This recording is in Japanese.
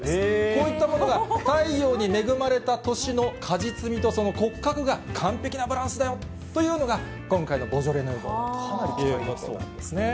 こういったものが太陽に恵まれた年の果実味と、その骨格が、完璧なバランスだよというのが、今回のボジョレ・ヌーボーということなんですね。